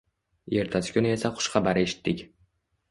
Ertasi kuni esa xushxabar eshitdik.